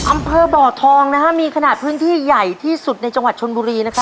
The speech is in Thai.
อำเภอหน้าบ่อทองมีขนาดพื้นที่ใหญ่ที่สุดในจังหวัดชนบุรี